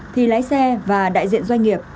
thì lái xe và đại diện doanh nghiệp